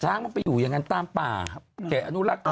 ช้างไปอยู่ตามป่าเกะอนุรักษ์